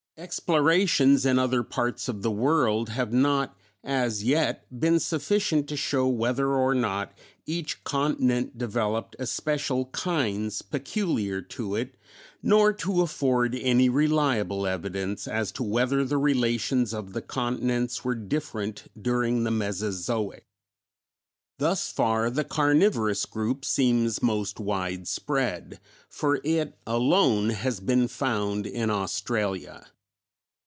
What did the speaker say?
Explorations in other parts of the world have not as yet been sufficient to show whether or not each continent developed especial kinds peculiar to it, nor to afford any reliable evidence as to whether the relations of the continents were different during the Mesozoic. Thus far, the Carnivorous group seems most widespread, for it alone has been found in Australia.